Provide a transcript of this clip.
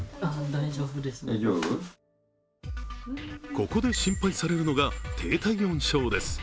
ここで心配されるのが低体温症です。